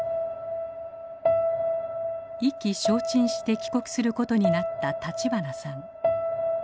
意気消沈して帰国する事になった立花さん。